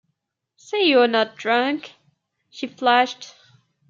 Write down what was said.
“Say you’re not drunk!” she flashed.